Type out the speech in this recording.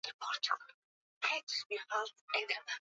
umekuandalia mengi lakini kama ilivyo ibada